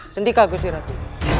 sendika gusti ratu